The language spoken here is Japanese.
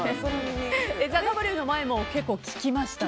「ＴＨＥＷ」の前も結構聴きましたか？